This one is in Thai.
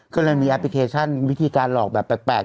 ก็เลยมีแอปพลิเคชันวิธีการหลอกแบบแปลก